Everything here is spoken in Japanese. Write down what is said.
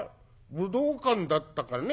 「武道館だったかね」。